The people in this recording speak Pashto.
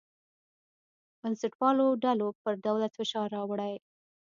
بنسټپالو ډلو پر دولت فشار راوړی.